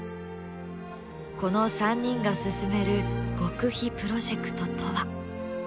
この３人が進める極秘プロジェクトとは？